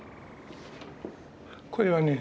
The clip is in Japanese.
これはね